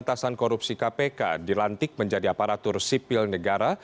pemberantasan korupsi kpk dilantik menjadi aparatur sipil negara